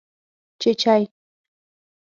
🐤چېچۍ